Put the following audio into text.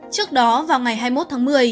trước đó vào ngày hai mươi một tháng một mươi